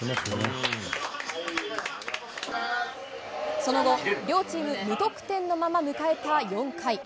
その後、両チーム無得点のまま迎えた４回。